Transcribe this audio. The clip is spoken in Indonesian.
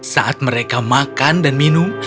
saat mereka makan dan minum